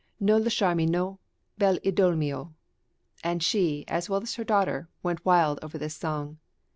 non lasciarmi no, bell' idol mio," and she, as well as her daughter, "went wild over this song."